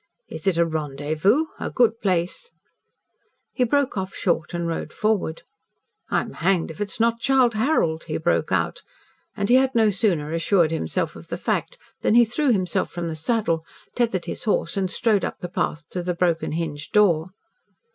Is it a rendezvous? A good place " He broke off short and rode forward. "I'm hanged if it is not Childe Harold," he broke out, and he had no sooner assured himself of the fact than he threw himself from his saddle, tethered his horse and strode up the path to the broken hinged door.